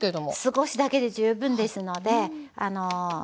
少しだけで十分ですので。